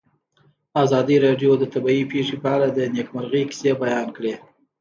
ازادي راډیو د طبیعي پېښې په اړه د نېکمرغۍ کیسې بیان کړې.